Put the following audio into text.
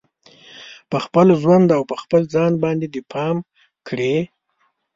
په خپل ژوند او په خپل ځان باندې دې پام کړي